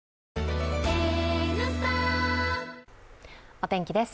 お天気です。